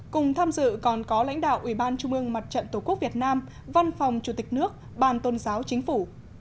cùng tham dự còn có lãnh đạo ủy ban trung ương mặt trận tổ quốc việt nam văn phòng chủ tịch nước ban tôn giáo chính phủ